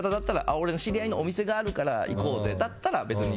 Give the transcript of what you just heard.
俺の知り合いのお店あるから行こうぜだったら別に。